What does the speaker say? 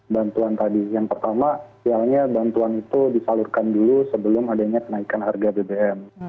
bantuan tadi yang pertama biasanya bantuan itu disalurkan dulu sebelum adanya kenaikan harga bbm